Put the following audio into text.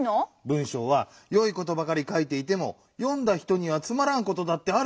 文しょうはよいことばかりかいていてもよんだ人にはつまらんことだってあるだろう。